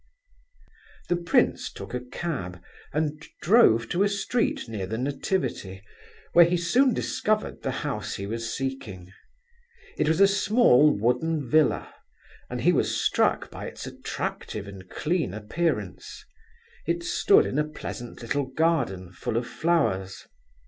The prince took a cab and drove to a street near the Nativity, where he soon discovered the house he was seeking. It was a small wooden villa, and he was struck by its attractive and clean appearance; it stood in a pleasant little garden, full of flowers.